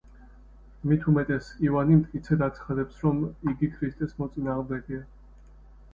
მით უმეტეს, ივანი მტკიცედ აცხადებს, რომ იგი ქრისტეს მოწინააღმდეგეა.